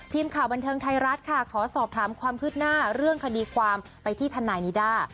ทีมข่าวบันเทิงไทยรัฐค่ะขอสอบถามความคืบหน้าเรื่องคดีความไปที่ทนายนิด้า